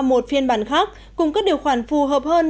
một phiên bản khác cùng các điều khoản phù hợp hơn